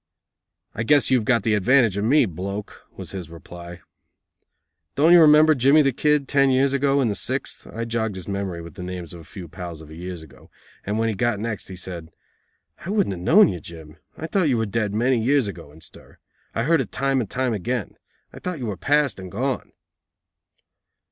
"I guess you've got the advantage of me, bloke," was his reply. "Don't you remember Jimmy the Kid, ten years ago, in the sixth?" I jogged his memory with the names of a few pals of years ago, and when he got next, he said: "I wouldn't have known you, Jim. I thought you were dead many years ago in stir. I heard it time and time again. I thought you were past and gone."